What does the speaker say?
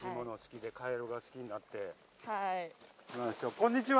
こんにちは。